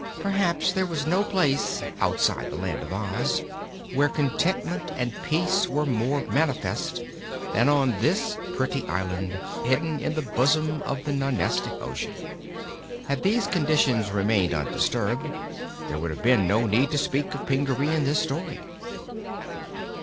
Perhaps there was no place, outside the Land of Oz, where contentment and peace were more manifest than on this pretty island, hidden in the besom of the Nonestic Ocean. Had these conditions remained undisturbed, there would have been no need to speak of Pingaree in this story.